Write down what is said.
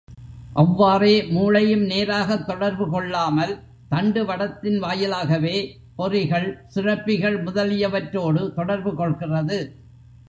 அவ்வாறே மூளையும் நேராகத் தொடர்பு கொள்ளாமல், தண்டு வடத்தின் வாயிலாகவே பொறிகள், சுரப்பிகள் முதலியவற்றோடு தொடர்பு கொள்கிறது.